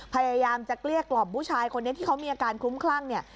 พยายามจะเกลี้ยกล่อมผู้ชายคนนี้ที่เขามีอาการคลุ้มคลั่งเนี่ย